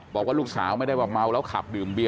บอกว่าลูกสาวไม่ได้ว่าเมาแล้วขับดื่มเบีย